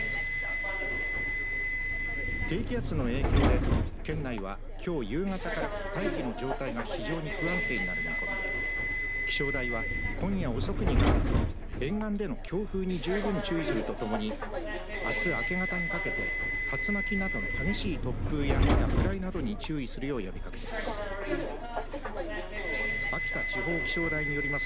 低気圧の影響で県内は、きょう夕方から大気の状態が非常に不安定となる見込みで気象台は今夜遅くにかけて沿岸での強風に十分注意するとともにあす明け方にかけて竜巻などの激しい突風や落雷などに注意するよう呼びかけています。